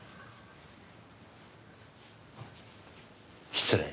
失礼。